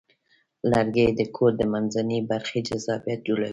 لرګی د کور د منځنۍ برخې جذابیت جوړوي.